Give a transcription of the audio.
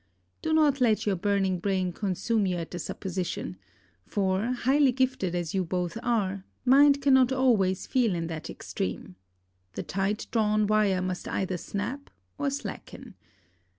Do not let your burning brain consume you at the supposition; for, highly gifted as you both are, mind cannot always feel in that extreme: the tight drawn wire must either snap or slacken.